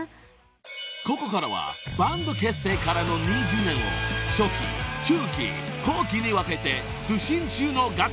［ここからはバンド結成からの２０年を初期中期後期に分けて］